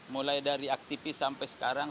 mulai dari aktivis sampai sekarang